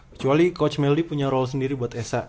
kecuali coach melly punya role sendiri buat esa